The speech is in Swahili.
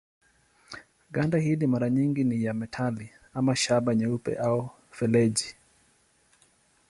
Ganda hili mara nyingi ni ya metali ama shaba nyeupe au feleji.